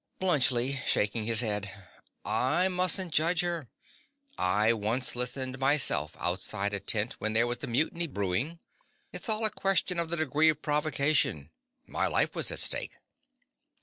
_) BLUNTSCHLI. (shaking his head). I mustn't judge her. I once listened myself outside a tent when there was a mutiny brewing. It's all a question of the degree of provocation. My life was at stake.